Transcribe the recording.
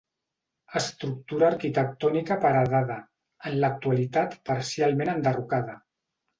Estructura arquitectònica paredada, en l'actualitat parcialment enderrocada.